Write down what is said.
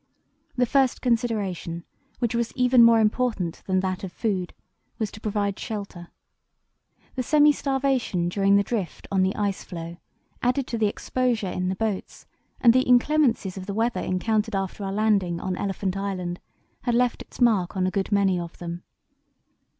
The first consideration, which was even more important than that of food, was to provide shelter. The semi starvation during the drift on the ice floe, added to the exposure in the boats, and the inclemencies of the weather encountered after our landing on Elephant Island, had left its mark on a good many of them.